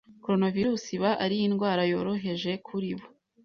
coronavirus iba ari indwara yoroheje kuribo